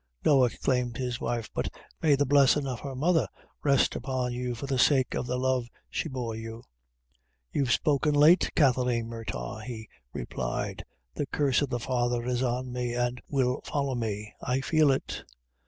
"No," exclaimed his wife, "but may the blessin' of her mother rest upon you for the sake of the love she bore you!" "You've spoken late, Kathleen Murtagh," he replied; "the curse of the father is on me, an' will folly me; I feel it."